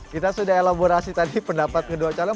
kita sudah elaborasi tadi pendapat kedua calon